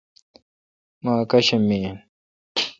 می اکاشم می این۔